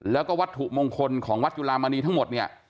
แล้วก็วัตถุมงคลของวัดจุลามณีทั้งหมดเนี่ย